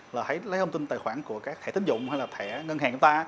lấy thông tin tài khoản của các thẻ tín dụng hay là thẻ ngân hàng của ta